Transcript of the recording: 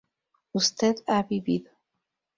usted ha vivido